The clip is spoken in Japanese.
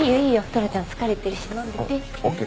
トラちゃん疲れてるし飲んでて。